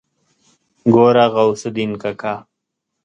ګوره غوث الدين کاکا.